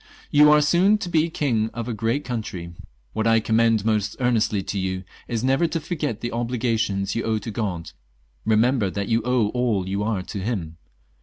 " You are soon to be king of a great coun try. What I commend most earnestly to you is never to forget the obligations you owe to God. Eemember that you owe all you are to Him.